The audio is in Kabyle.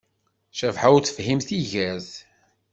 Cabḥa ur tefhim tigert.